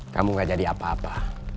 kamu gak jadi apa apa